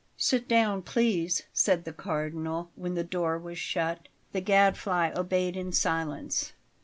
"Sit down, please," said the Cardinal, when the door was shut. The Gadfly obeyed in silence.